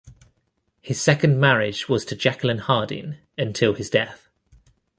His second marriage was to Jacqueline Harding until his death.